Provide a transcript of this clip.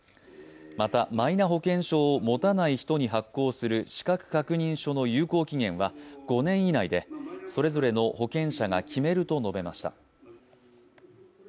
またマイナ保険証を持たない人に発行する資格確認書の有効期限は５年以内でそれぞれの保険者が決めると述べました。